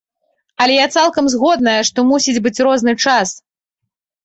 Але я цалкам згодная, што мусіць быць розны час!